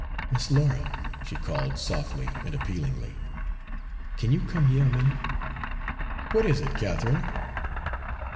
"Miss Laura!" she called, softly and appealingly. "Kin you come hyuh a minute?" "What is it, Catherine?"